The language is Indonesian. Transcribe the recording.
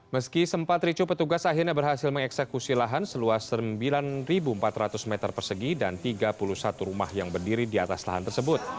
meski sempat ricu petugas akhirnya berhasil mengeksekusi lahan seluas sembilan empat ratus meter persegi dan tiga puluh satu rumah yang berdiri di atas lahan tersebut